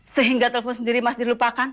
sehingga telepon sendiri mas dir lupakan